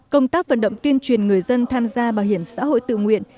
công tác vận động tuyên truyền người dân tham gia bảo hiểm xã hội tự nguyện